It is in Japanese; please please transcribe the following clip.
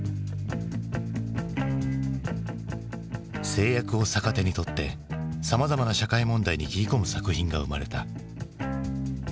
制約を逆手にとってさまざまな社会問題に切り込む作品が生まれた。